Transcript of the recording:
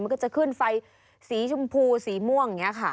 มันก็จะขึ้นไฟสีชมพูสีม่วงอย่างนี้ค่ะ